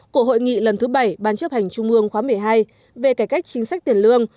của hội nghị lần thứ bảy ban chấp hành trung mương khóa một mươi hai về cải cách chính sách tiền lương